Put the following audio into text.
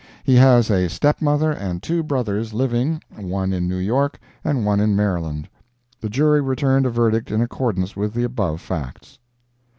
He has a step mother and two brothers living—one in New York and one in Maryland. The jury returned a verdict in accordance with the above facts.